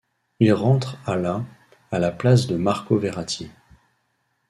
Il rentre à la à la place de Marco Verratti.